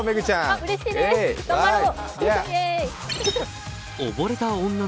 うれしい、頑張ろう。